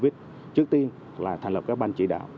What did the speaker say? với dịch covid trước tiên là thành lập các ban chỉ đạo